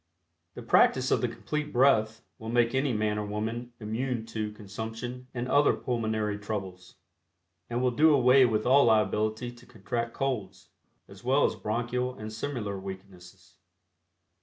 The practice of the Complete Breath will make any man or woman immune to Consumption and other pulmonary troubles, and will do away with all liability to contract "colds," as well as bronchial and similar weaknesses.